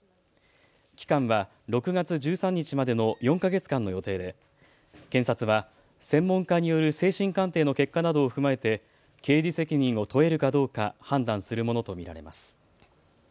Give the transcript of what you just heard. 期間は６月１３日までの４か月間の予定で検察は専門家による精神鑑定の結果などを踏まえて刑事責任を問えるかどうか判断するものと見られます。